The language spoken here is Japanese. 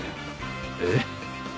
えっ？